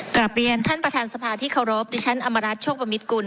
กลับเรียนท่านประธานสภาที่เคารพดิฉันอมรัฐโชคประมิตกุล